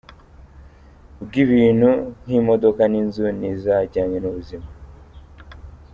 bw’ibintu nk’imodoka n’inzu n’iza jyanye n’ubuzima.